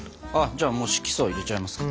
じゃあ色素入れちゃいますか。